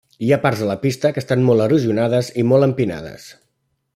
Hi ha parts de la pista que estan molt erosionades i molt empinades.